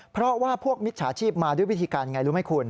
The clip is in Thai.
เพราะว่าพวกมิจฉาชีพมาด้วยวิธีการอย่างไรรู้ไหมคุณ